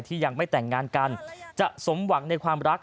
ยังไม่แต่งงานกันจะสมหวังในความรัก